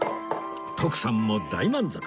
徳さんも大満足！